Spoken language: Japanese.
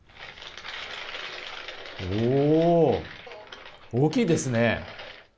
おお、大きいですね。